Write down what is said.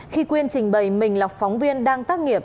khi quyên trình bày mình là phóng viên đang tác nghiệp